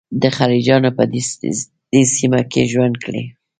د خلجیانو په دې سیمه کې ژوند کړی.